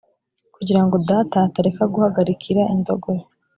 kugira ngo data atareka guhagarikira indogobe